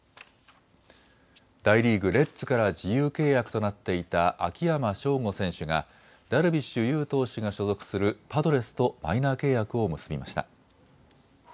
大リーグ、レッズから自由契約となっていた秋山翔吾選手がダルビッシュ有投手が所属するパドレスとマイナー契約を結びました。